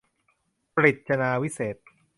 ปฤจฉาวิเศษณ์